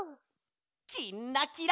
「きんらきら」。